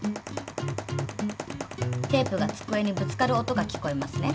テープが机にぶつかる音が聞こえますね。